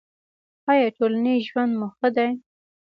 ایا ټولنیز ژوند مو ښه دی؟